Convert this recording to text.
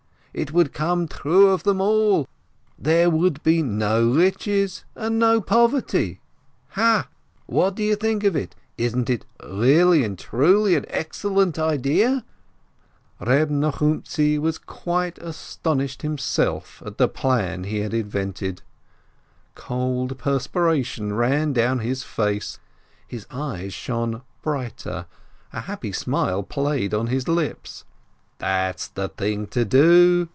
It would come true of them all, there would be no riches and no poverty. Ha? What do you think of it?. Isn't it really and truly an excellent idea?" Reb Nochumtzi was quite astonished himself at the plan he had invented, cold perspiration ran down his face, his eyes shone brighter, a happy smile played on his lips. "That's the thing to do